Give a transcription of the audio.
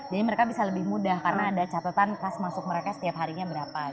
jadi mereka bisa lebih mudah karena ada catatan kas masuk mereka setiap harinya berapa